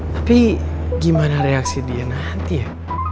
tapi gimana reaksi dia nanti ya